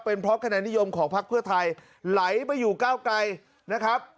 เป็นเพราะคะแนนนิยมของพักเพื่อไทยไหลไปอยู่ก้าวไกลนะครับ